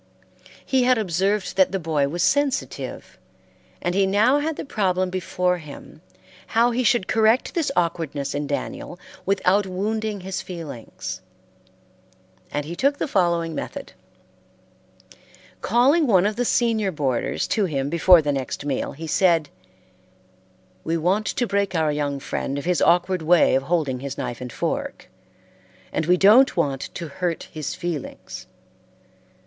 He had observed that the boy was sensitive, and he now had the problem before him how he should correct this awkwardness in Daniel without wounding his feelings; and he took the following method: Calling one of the senior boarders to him before the next meal, he said: "We want to break our young friend of his awkward way of holding his knife and fork, and we don't want to hurt his feelings.